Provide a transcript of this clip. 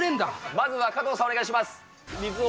まずは加藤さん、お願いします。